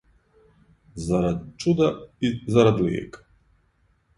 Зарад' чуда и зарад' лијека,